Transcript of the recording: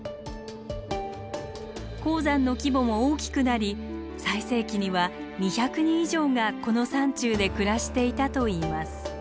鉱山の規模も大きくなり最盛期には２００人以上がこの山中で暮らしていたといいます。